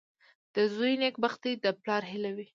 • د زوی نېکبختي د پلار هیله وي.